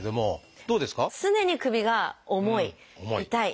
常に首が重い痛い。